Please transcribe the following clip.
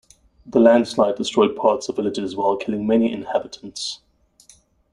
The landslide destroyed parts of villages while killing many inhabitants.